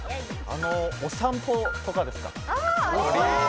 お散歩とかですか？